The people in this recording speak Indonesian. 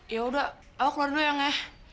ya udah aku keluar dulu yang ya